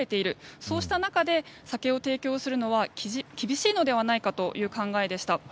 そうした中で酒を提供するのは厳しいのではないかという考えでした。